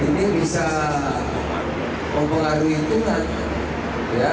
ini bisa mempengaruhi kita